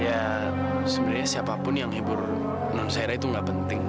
ya sebenarnya siapapun yang hibur non sera itu nggak penting